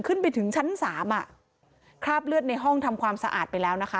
ขึ้นไปถึงชั้นสามอ่ะคราบเลือดในห้องทำความสะอาดไปแล้วนะคะ